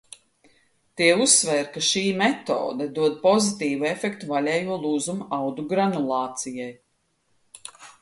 Tie uzsvēra, ka šī metode dod pozitīvu efektu vaļējo lūzumu audu granulācijai.